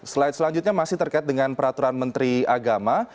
slide selanjutnya masih terkait dengan peraturan menteri agama